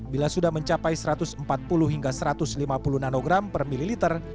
bila sudah mencapai satu ratus empat puluh hingga satu ratus lima puluh nanogram per mililiter